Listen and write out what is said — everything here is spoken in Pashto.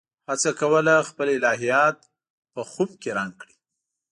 هڅه کوله خپل الهیات په خُم کې رنګ کړي.